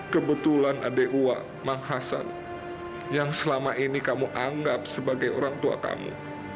kebetulan adik wak mang hasan yang selama ini kamu anggap sebagai orangtuakanmu